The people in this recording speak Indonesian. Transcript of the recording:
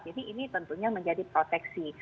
jadi ini tentunya menjadi proteksi